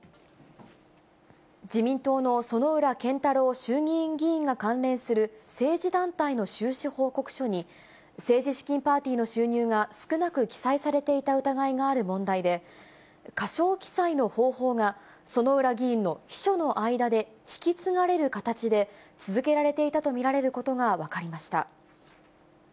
自民党の薗浦健太郎衆議院議員が関連する政治団体の収支報告書に、政治資金パーティーの収入が少なく記載されていた疑いがある問題で、過少記載の方法が、薗浦議員の秘書の間で引き継がれる形で続けられていたと見られることが分かりました。